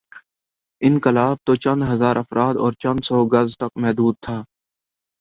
انقلاب توچند ہزارافراد اور چندسو گز تک محدود تھا۔